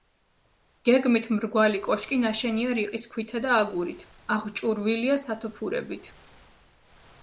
გეგმით მრგვალი კოშკი ნაშენია რიყის ქვითა და აგურით, აღჭურვილია სათოფურებით.